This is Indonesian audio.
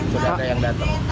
sudah ada yang datang